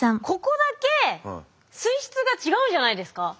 ここだけ水質が違うんじゃないですか。